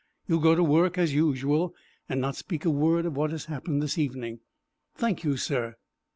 You will go to work as usual, and not speak a word of what has happened this evening." "Thank you, sir."